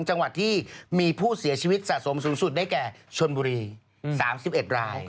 จังหวัดที่มีผู้เสียชีวิตสะสมสูงสุดได้แก่ชนบุรี๓๑ราย